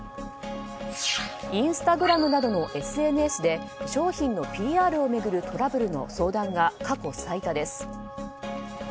インスタグラムなどのＳＮＳで商品のＰＲを巡るトラブルの相談が過去最多です。